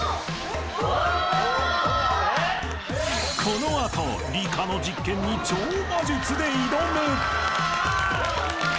［この後理科の実験に超魔術で挑む］